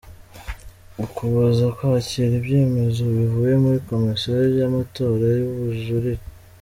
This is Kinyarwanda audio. Ukuboza : Kwakira ibyemezo bivuye muri Komisiyo y’Amatora y’ubujurire;.